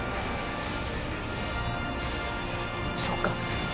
そっか。